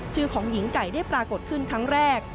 ชื่อของหญิงไก่ได้ปรากฏขึ้นครั้งแรก